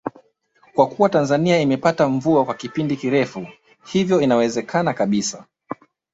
Kwa kuwa Tanzania imepata mvua kwa kipindi kirefu hivyo inawezekana kabisa